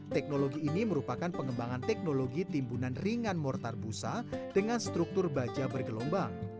teknologi ini merupakan pengembangan teknologi timbunan ringan mortar busa dengan struktur baja bergelombang